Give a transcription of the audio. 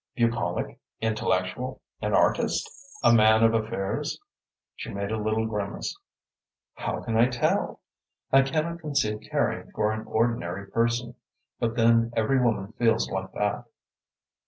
"Bucolic? Intellectual? An artist? A man of affairs?" She made a little grimace. "How can I tell? I cannot conceive caring for an ordinary person, but then every woman feels like that.